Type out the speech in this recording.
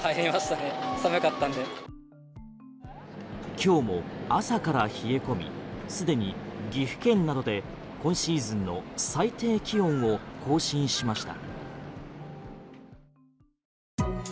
今日も朝から冷え込みすでに岐阜県などで今シーズンの最低気温を更新しました。